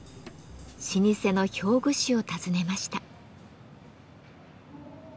老舗の表具師を訪ねました。